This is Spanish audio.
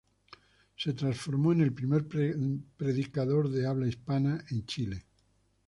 Se transformó en el primer predicador de habla hispana en Chile.